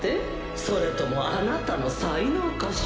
それともあなたの才能かしら？